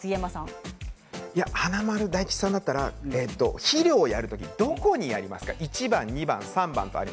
華丸・大吉さんだったら肥料をやる時、どこにやりますか。